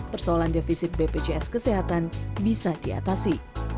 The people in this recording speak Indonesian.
persoalan defisit bpjs kesehatan bisa diatasi